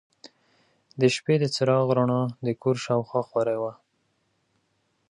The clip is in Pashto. د شپې د څراغ رڼا د کور شاوخوا خورې وه.